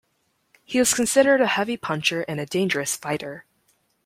He was considered a heavy puncher and a dangerous fighter.